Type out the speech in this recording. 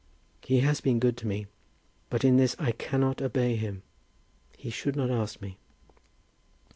"He has been good to me, but in this I cannot obey him. He should not ask me."